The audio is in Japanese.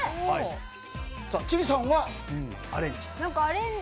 千里さんはアレンジ。